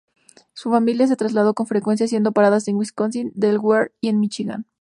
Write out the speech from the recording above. Su familia se trasladó con frecuencia, haciendo paradas en Wisconsin, Delaware y Michigan.